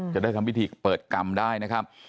จะได้ทำพิธีเปิดกรรมได้นะครับ